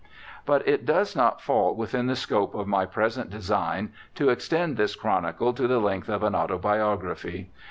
But it does not fall within the scope of my present design to extend this chronicle to the length of an autobiography.